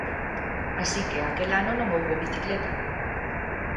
Así que, aquel ano non houbo bicicleta.